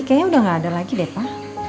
kayaknya udah gak ada lagi deh pak